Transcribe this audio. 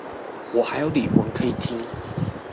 我還有李玟可以聽